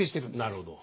なるほど。